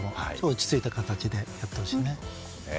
落ち着いた形でやってほしいね。